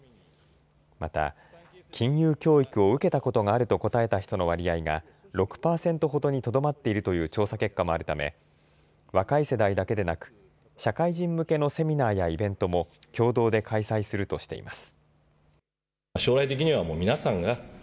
また、金融教育を受けたことがあると答えた人の割合が６％ほどにとどまっているという調査結果もあるため若い世代だけでなく社会人向けのセミナーやイベントも共同で開催するとしています。